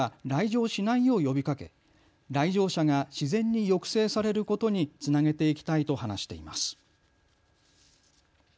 体調がすぐれない人には、来場しないよう呼びかけ、来場者が自然に抑制されることにつなげていきたいと話しています。